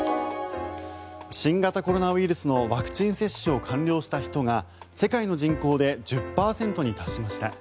新型コロナウイルスのワクチン接種を完了した人が世界の人口で１０％に達しました。